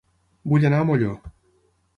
Vull anar a Molló